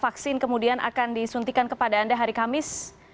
vaksin kemudian akan disuntikan kepada anda hari kamis